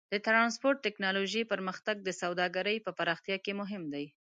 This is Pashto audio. د ټرانسپورټ ټیکنالوجۍ پرمختګ د سوداګرۍ په پراختیا کې مهم دی.